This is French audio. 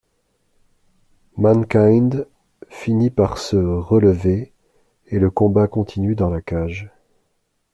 Mankind finit par se relever, et le combat continue dans la cage.